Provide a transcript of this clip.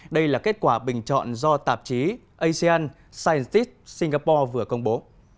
đây là kết quả bình chọn do tạp chí asean ciencis singapore vừa công bố